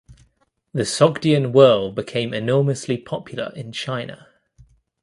The Sogdian Whirl became enormously popular in China.